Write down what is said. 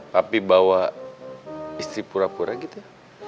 tapi bawa istri pura pura gitu